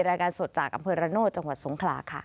รายงานสดจากอำเภอระโนธจังหวัดสงขลาค่ะ